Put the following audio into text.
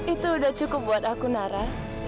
itu udah cukup buat aku nara